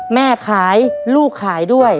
แม่ขายลูกขายด้วย